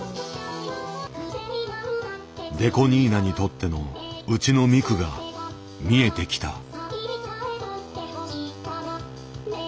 ＤＥＣＯ２７にとっての「うちのミク」が見えてきた。